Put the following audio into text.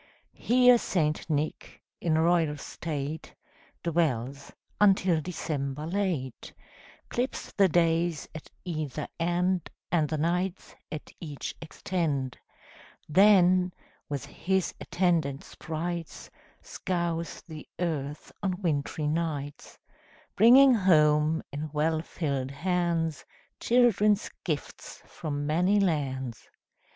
Here St. Nick, in royal state, Dwells, until December late Clips the days at either end, And the nights at each extend; Then, with his attendant sprites, Scours the earth on wintry nights, Bringing home, in well filled hands, Children's gifts from many lands.